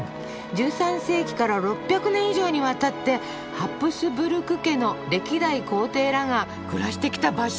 １３世紀から６００年以上にわたってハプスブルク家の歴代皇帝らが暮らしてきた場所。